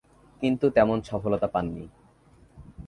কিন্তু, তেমন সফলতা পাননি।